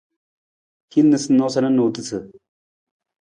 Hin noosanoosa na noosutu.